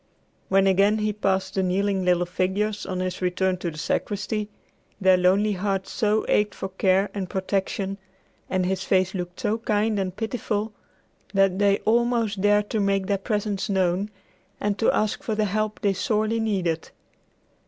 When again he passed the kneeling little figures on his return to the sacristy, their lonely hearts so ached for care and protection, and his face looked so kind and pitiful, that they almost dared to make their presence known and to ask for the help they sorely needed.